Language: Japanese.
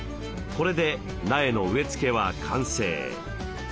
これで苗の植え付けは完成。